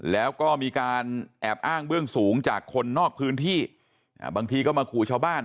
แล้วก็มีการแอบอ้างเบื้องสูงจากคนนอกพื้นที่บางทีก็มาขู่ชาวบ้าน